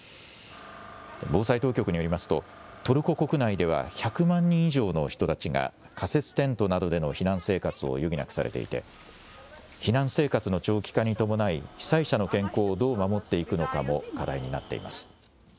防災当局によりますと、トルコ国内では１００万人以上の人たちが仮設テントなどでの避難生活を余儀なくされていて、避難生活の長期化に伴い被災者の健康をどう守っていくのかも課題になっています。